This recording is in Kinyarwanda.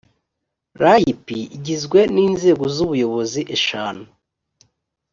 rp igizwe n inzego z ubuyobozi eshanu